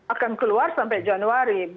akan keluar sampai januari